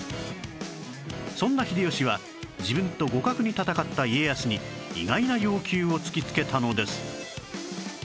そんな秀吉は自分と互角に戦った家康に意外な要求を突きつけたのです